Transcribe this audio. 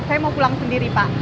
saya mau pulang sendiri pak